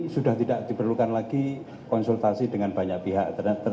sudah tidak diperlukan lagi konsultasi dengan banyak pihak